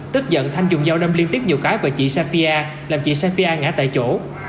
tức giận thanh dùng dao đâm liên tiếp nhiều cái và chị safia làm chị safia ngã tại chỗ